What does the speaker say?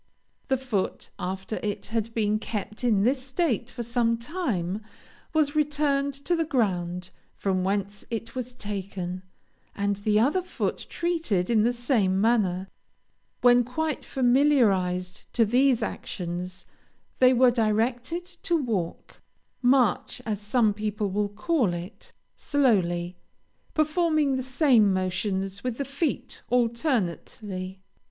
The foot, after it had been kept in this state for some time, was returned to the ground from whence it was taken, and the other foot treated in the same manner; when quite familiarized to these actions, they were directed to walk (march, as some people will call it) slowly, performing the same motions with the feet alternately."